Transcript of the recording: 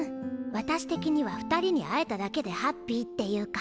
私的には２人に会えただけでハッピーっていうか。